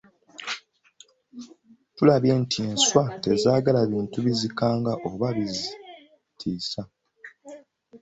Tulabye nti enswa tezaagala bintu bizikanga oba bizitiisa.